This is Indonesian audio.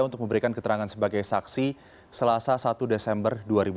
untuk memberikan keterangan sebagai saksi selasa satu desember dua ribu dua puluh